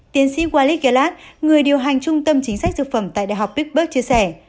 tiến sĩ walid galat người điều hành trung tâm chính sách dược phẩm tại đại học pittsburgh chia sẻ